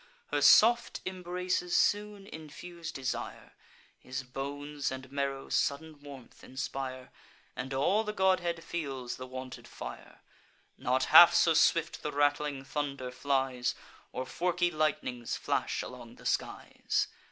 Her soft embraces soon infuse desire; His bones and marrow sudden warmth inspire; And all the godhead feels the wonted fire. Not half so swift the rattling thunder flies, Or forky lightnings flash along the skies.